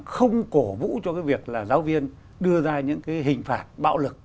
không cổ vũ cho cái việc là giáo viên đưa ra những cái hình phạt bạo lực